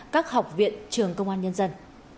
các học viện trường công an nhân dân